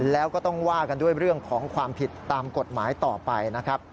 แล้วก็ต้องว่ากันด้วยเรื่องของความผิดตามกฎหมายต่อไปนะครับ